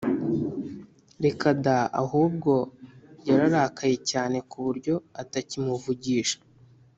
Reka da Ahubwo yararakaye cyane ku buryo atakimuvugisha